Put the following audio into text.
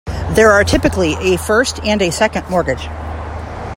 There are typically a First and a Second Mortgage.